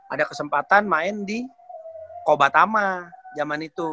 ada kesempatan main di kobatama zaman itu